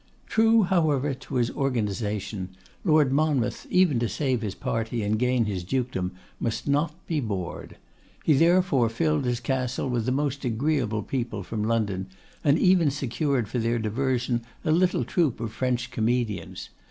True, however, to his organisation, Lord Monmouth, even to save his party and gain his dukedom, must not be bored. He, therefore, filled his castle with the most agreeable people from London, and even secured for their diversion a little troop of French comedians.